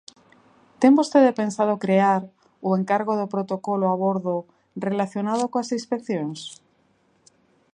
¿Ten vostede pensado crear o encargo do protocolo a bordo relacionado coas inspeccións?